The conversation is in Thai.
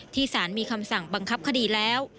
สารมีคำสั่งบังคับคดีแล้ว